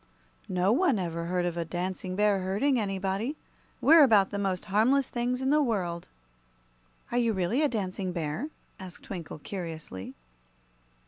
"No one ever heard of a Dancing Bear hurting anybody. We're about the most harmless things in the world." "Are you really a Dancing Bear?" asked Twinkle, curiously.